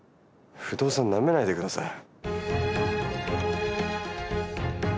不動産なめないで下さい。